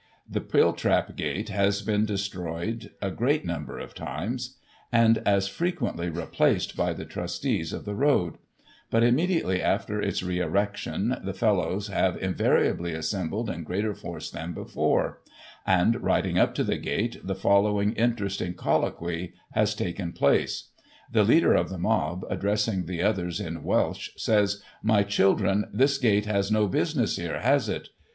The Pwiltrap gate has been destroyed a great number of times and as frequently replaced by the trustees of the road ; but, immediately after its re erection, the fellows have invariably assembled in greater force than before ; and, riding up to the gate, the following interesting colloquy has taken place. The leader of the mob, addressing the others in Welsh, says, * My children this gate has no business here, has it